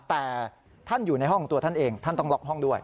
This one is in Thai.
แต่ท่านอยู่ในห้องของตัวท่านเองท่านต้องล็อกห้องด้วย